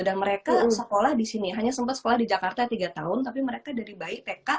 dan mereka sekolah di sini hanya sempat sekolah di jakarta tiga tahun tapi mereka dari baik pk